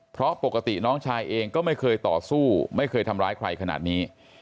เพราะปกติน้องชายเองก็ไม่เคยต่อสู้ไม่เคยทำร้ายใครขนาดนี้